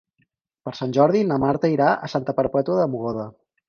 Per Sant Jordi na Marta irà a Santa Perpètua de Mogoda.